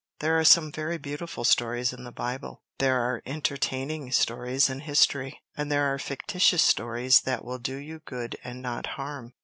There are some very beautiful stories in the Bible; there are entertaining stories in history; and there are fictitious stories that will do you good and not harm.